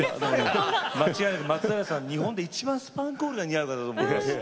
間違いなく松平さん日本で一番スパンコールが似合う方だと思います。